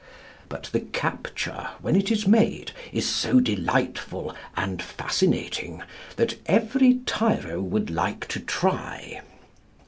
But the capture, when it is made, is so delightful and fascinating that every tyro would like to try.